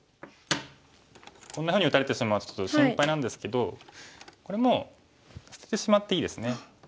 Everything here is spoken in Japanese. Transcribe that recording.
こんなふうに打たれてしまうとちょっと心配なんですけどこれもう捨ててしまっていいですね。